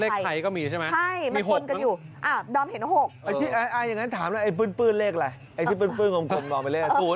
เลขไข่ก็มีใช่ไหมมี๖มั้งใช่มันคลุนกันอยู่